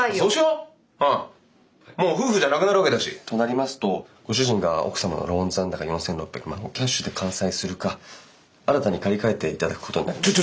うんもう夫婦じゃなくなるわけだし。となりますとご主人が奥様のローン残高４，６００万をキャッシュで完済するか新たに借り換えていただくことになりますが。